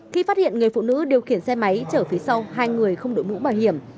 khi phát hiện người phụ nữ điều khiển xe máy chở phía sau hai người không đội mũ bảo hiểm